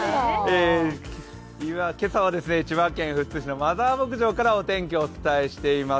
今朝は千葉県富津市のマザー牧場からお天気をお伝えしております。